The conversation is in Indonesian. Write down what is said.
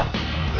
mereka bisa berdua